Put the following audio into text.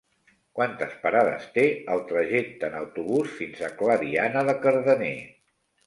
Quantes parades té el trajecte en autobús fins a Clariana de Cardener?